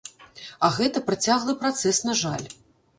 А гэта працяглы працэс, на жаль.